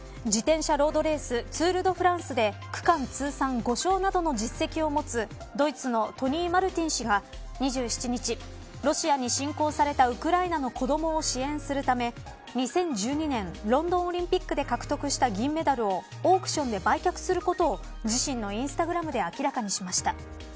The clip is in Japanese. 自転車ロードレースツール・ド・フランスで区間通算５勝などの実績を持つドイツのトニー・マルティン氏が２７日、ロシアに侵攻されたウクライナの子どもを支援するため２０１２年ロンドンオリンピックで獲得した銀メダルをオークションで売却することを自身のインスタグラムで明らかにしました。